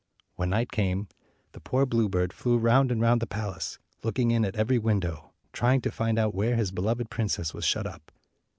When night came, the poor bluebird flew round and round the palace, looking in at every window, trying to find out where his beloved princess was shut up.